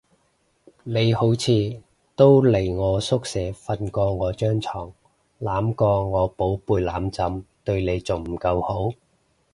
你好似都嚟我宿舍瞓過我張床，攬過我寶貝攬枕，對你仲唔夠好？